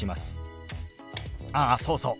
あっそうそう。